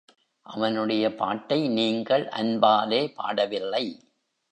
அவனுடைய பாட்டை நீங்கள் அன்பாலே பாடவில்லை.